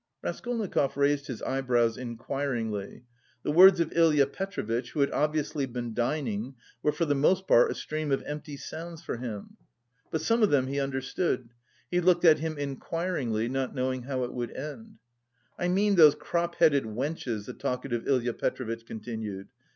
Raskolnikov raised his eyebrows inquiringly. The words of Ilya Petrovitch, who had obviously been dining, were for the most part a stream of empty sounds for him. But some of them he understood. He looked at him inquiringly, not knowing how it would end. "I mean those crop headed wenches," the talkative Ilya Petrovitch continued.